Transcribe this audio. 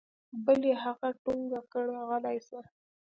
بل يې هغه ټونګه کړ غلى سه.